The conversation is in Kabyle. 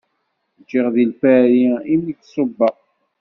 Ǧǧiɣ di Lpari i mi d-ṣubbeɣ.